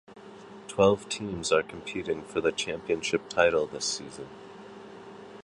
Twelve teams are competing for the championship title this season.